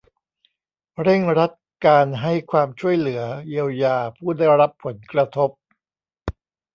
เร่งรัดการให้ความช่วยเหลือเยียวยาผู้ได้รับผลกระทบ